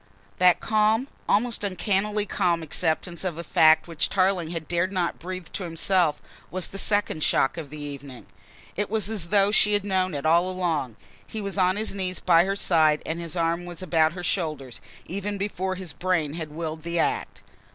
That calm, almost uncannily calm acceptance of a fact which Tarling had not dared to breathe to himself, was the second shock of the evening. It was as though she had known it all along. He was on his knees by her side and his arm was about her shoulders, even before his brain had willed the act.